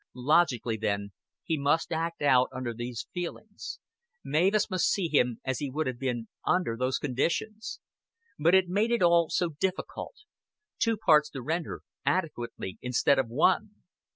Logically, then, he must act out these other feelings; Mavis must see him as he would have been under those conditions. But it made it all so difficult two parts to render adequately instead of one.